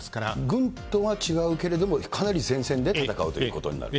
軍とは違うけれども、かなり前線で戦うということになる。